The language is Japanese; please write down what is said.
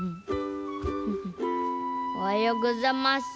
おはようございます。